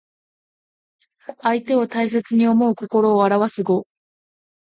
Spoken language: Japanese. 相手を大切に思う心をあらわす語。